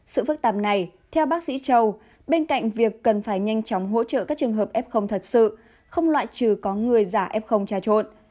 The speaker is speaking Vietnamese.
sự phức tạp này theo bác sĩ châu bên cạnh việc cần phải nhanh chóng hỗ trợ các trường hợp f thật sự không loại trừ có người giả f tra trộn